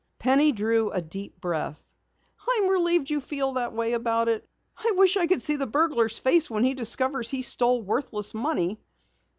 Penny drew a deep breath. "I'm relieved you feel that way about it. I wish I could see the burglar's face when he discovers he stole worthless money!"